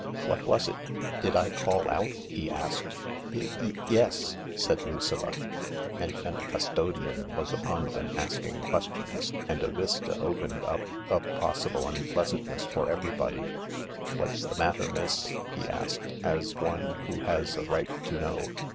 " What was it ? Did I call out ?" he asked. m Ye— ye— yes," said Lucilla, THE LARK 105 And then a custodian was upon them asking questions, and a vista opened up of possible unpleasantness for everybody. " What's the matter, miss ? "he asked, as one who has a right to know.